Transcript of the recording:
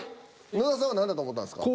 野田さんは何だと思たんですか？